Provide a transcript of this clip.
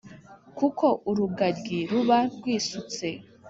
Kuko urugaryi ruba rwisutse